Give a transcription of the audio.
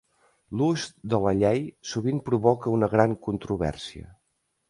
L'ús de la llei sovint provoca una gran controvèrsia.